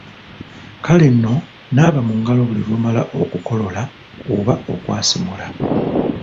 Kale nno naaba mu ngalo buli lw’omala okukolola oba okwasimula.